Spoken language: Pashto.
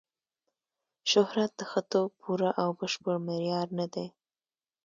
شهرت د ښه توب پوره او بشپړ معیار نه دی.